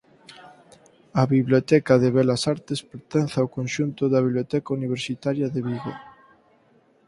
A Biblioteca de Belas Artes pertence ao conxunto da Biblioteca Universitaria de Vigo.